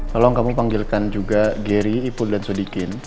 tolong kamu panggilkan juga gary ipul dan sodikin